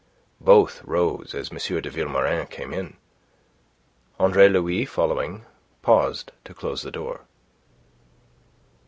Both rose as M. de Vilmorin came in. Andre Louis following, paused to close the door.